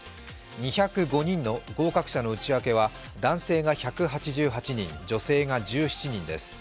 ２０５人の合格者の内訳は男性が１８８人、女性が１７人です。